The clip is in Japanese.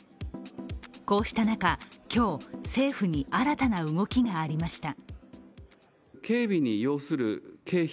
こうした中、政府に新たな動きがありました。